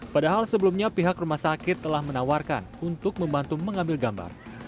padahal sebelumnya pihak rumah sakit telah menawarkan untuk membantu mengambil gambar